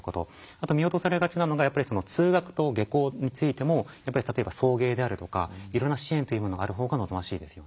あと見落とされがちなのが通学と下校についても例えば送迎であるとかいろんな支援というものがある方が望ましいですよね。